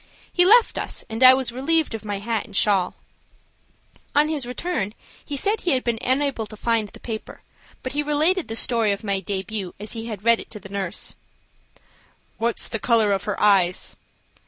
He left us, and I was relieved of my hat and shawl. On his return, he said he had been unable to find the paper, but he related the story of my debut, as he had read it, to the nurse. "What's the color of her eyes?"